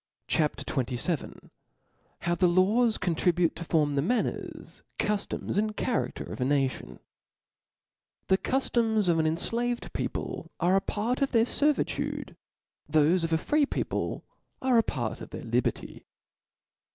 CHAP. XXVIL tlow the Laws contribute to form the Man* ners, Cujioms, and CharaSter of a Nation. np H E cuftoms of 4n cnflaved people are a part •*• of their fcrvitude, thofc of a free people are a part of their liberty.